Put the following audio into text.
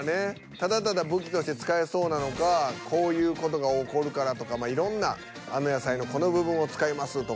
ただただ武器として使えそうなのかこういう事が起こるからとかまあいろんなあの野菜のこの部分を使いますとか。